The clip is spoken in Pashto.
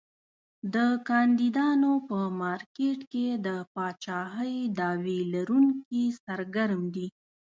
د کاندیدانو په مارکېټ کې د پاچاهۍ دعوی لرونکي سرګرم دي.